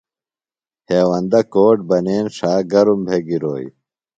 ہیوندہ کوٹ بنین ݜا گرُم بھےۡ گِروئی